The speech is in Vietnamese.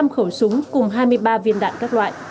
năm khẩu súng cùng hai mươi ba viên đạn các loại